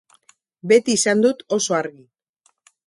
Beti izan dut oso argi.